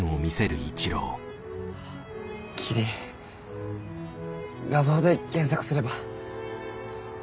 キリン画像で検索すれば。